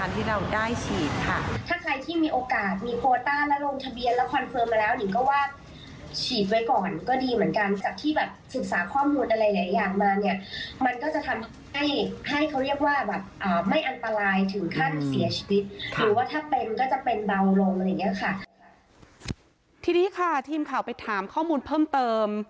ทีนี้ค่ะทีมข่าวไปถามข้อมูลเพิ่มเติม